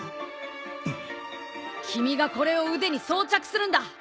君がこれを腕に装着するんだ。